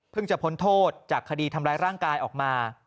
จะพ้นโทษจากคดีทำร้ายร่างกายออกมา